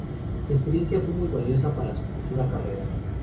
La experiencia fue muy valiosa para su futura carrera.